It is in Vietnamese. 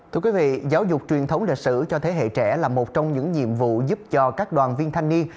thưa quý vị giáo dục truyền thống lịch sử cho thế hệ trẻ là một trong những nhiệm vụ giúp cho các đoàn viên thanh niên